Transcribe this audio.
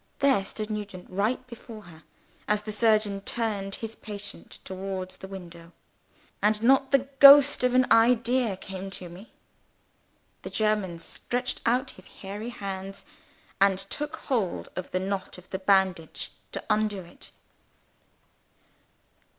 There stood Nugent right before her, as the surgeon turned his patient towards the window. And not the ghost of an idea came to me! The German stretched out his hairy hands, and took hold of the knot of the bandage to undo it.